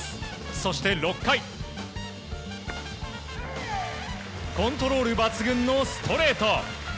そして６回コントロール抜群のストレート。